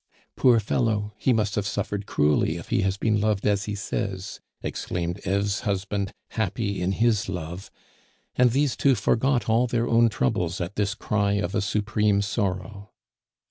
"Poor fellow, he must have suffered cruelly if he has been loved as he says!" exclaimed Eve's husband, happy in his love; and these two forgot all their own troubles at this cry of a supreme sorrow.